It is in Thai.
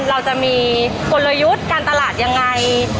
เราจะมีกลยุทธ์การตลาดยังไง